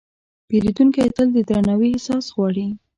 پیرودونکی تل د درناوي احساس غواړي.